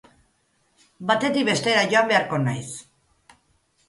Batetik bestera joan beharko naiz!